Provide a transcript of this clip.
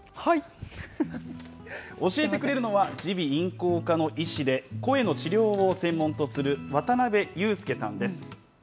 教えてくれるのは、耳鼻咽喉科の医師で、声の治療を専門とする渡邊雄介さんです。